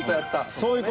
そういう事。